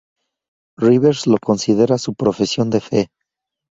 Rivers lo considera su profesión de fe.